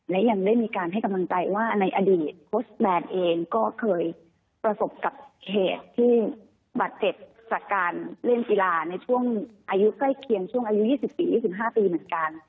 และยังได้มีการให้กำลังใจว่าในอดีตโค้ชแบนเองก็เคยประสบกับเหตุที่บาดเจ็บจากการเล่นกีฬาในช่วงอายุใกล้เคียงช่วงอายุ๒๔๒๕ปีเหมือนกัน